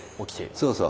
そうそう。